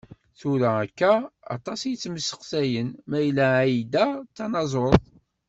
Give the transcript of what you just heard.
Tura akka, aṭas i yettmesteqsayen mayella Ai-Da d tanaẓurt.